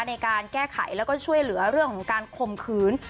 ในการแก้ไขแล้วก็ช่วยเหลือเรื่องของการคมขืน